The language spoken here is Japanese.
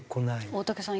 大竹さん